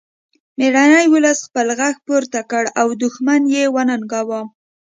میړني ولس خپل غږ پورته کړ او دښمن یې وننګاوه